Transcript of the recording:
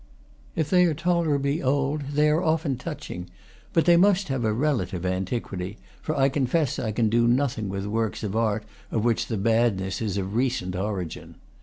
If they are tolerably old they are often touching; but they must have a relative antiquity, for I confess I can do no thing with works of art of which the badness is of receat origin.